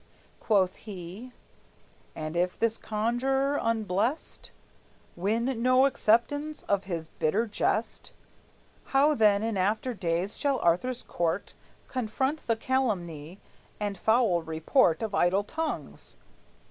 Quoth he: "And if this conjurer unblest Win no acceptance of his bitter jest, How then in after days shall Arthur's court Confront the calumny and foul report Of idle tongues?"